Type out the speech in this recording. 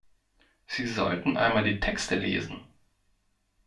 Sie sollten einmal die Texte lesen!